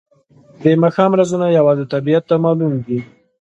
د ماښام رازونه یوازې طبیعت ته معلوم دي.